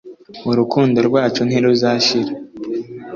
urukundo rwacu ntiruzashira